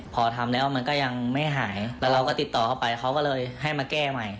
พอทำแล้วมันก็ยังไม่หายแล้วเราก็ติดต่อเข้าไปเขาก็เลยให้มาแก้ใหม่